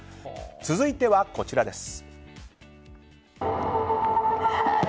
続いては、こちらです。